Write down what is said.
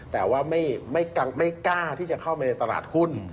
แต่ว่าไม่กล้าที่จะเข้ามาในตลาดหุ้น